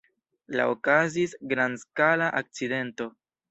La okazis grandskala akcidento.